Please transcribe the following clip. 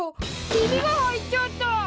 ひびが入っちゃった！